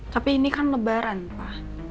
tapi ini kan lebaran pak